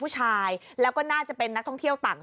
ใครหายไปบ้างอ่ะ